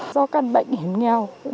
do căn bệnh hiểm nghèo